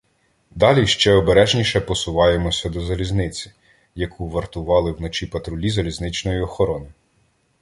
Далі ще обережніше посуваємося до залізниці, яку вартували вночі патрулі залізничної охорони.